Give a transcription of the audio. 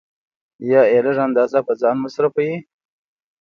یا یې لږ اندازه په ځان مصرفوي